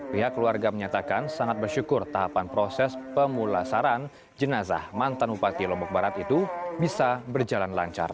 pihak keluarga menyatakan sangat bersyukur tahapan proses pemulasaran jenazah mantan bupati lombok barat itu bisa berjalan lancar